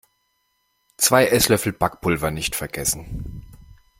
Zwei Esslöffel Backpulver nicht vergessen.